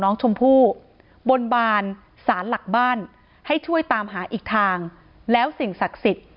น้องชมพู่บนบานสารหลักบ้านให้ช่วยตามหาอีกทางแล้วสิ่งศักดิ์สิทธิ์